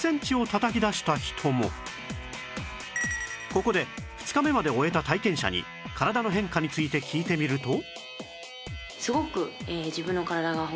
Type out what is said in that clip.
ここで２日目まで終えた体験者に体の変化について聞いてみると